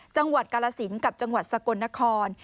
จังหวัดกาลสินกับจังหวัดสกลนคร